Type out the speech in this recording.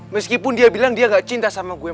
meskipun dia bilang dia gak cinta sama gue